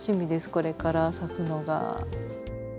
これから咲くのが。